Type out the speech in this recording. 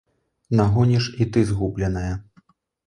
Нагоніш і ты згубленае.